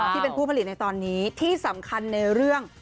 ที่เป็นผู้ผลิตในตอนนี้ที่สำคัญในเรื่อง